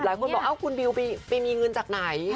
หลายคนบอกคุณบิวไปมีเงินจากไหน